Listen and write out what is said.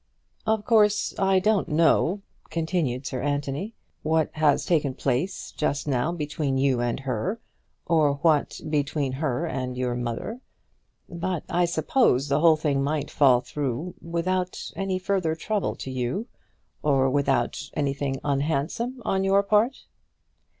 "Of course I don't know," continued Sir Anthony, "what has taken place just now between you and her, or what between her and your mother; but I suppose the whole thing might fall through without any further trouble to you, or without anything unhandsome on your part?"